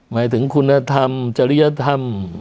หมายถึงคุณธรรมจริยธรรม